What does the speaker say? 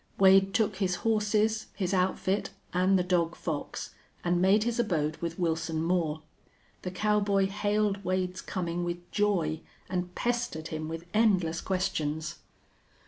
Wade took his horses, his outfit, and the dog Fox, and made his abode with Wilson Moore. The cowboy hailed Wade's coming with joy and pestered him with endless questions.